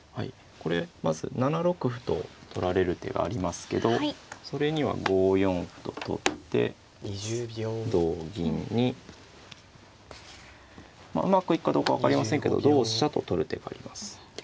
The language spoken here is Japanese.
これまず７六歩と取られる手がありますけどそれには５四歩と取って同銀にまあうまくいくかどうか分かりませんけど同飛車と取る手があります。